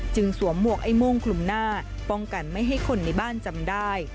สวมหมวกไอ้โม่งคลุมหน้าป้องกันไม่ให้คนในบ้านจำได้